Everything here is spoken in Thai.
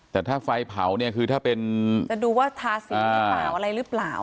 แต่ถ้าไฟเผาเนี่ยคือถ้าเป็นจะดูว่าทาสีหรือเปล่าอะไรหรือเปล่า